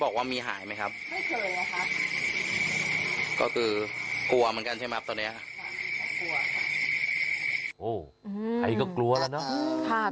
ใครก็กลัวแล้วนะ